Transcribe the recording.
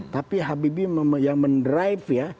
tapi habib yang men drive ya